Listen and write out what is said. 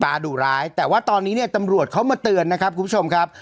ดุร้ายแต่ว่าตอนนี้เนี่ยตำรวจเขามาเตือนนะครับคุณผู้ชมครับ